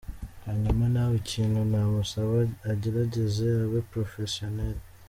Hanyuma nawe ikintu namusaba agerageze abe Professionel.